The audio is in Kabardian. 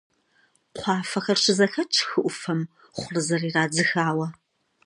Кхъуафэхэр щызэхэтщ хы Ӏуфэм, хъурзэр ирадзыхауэ.